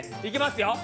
いきますよ。